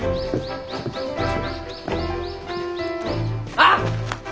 あっ！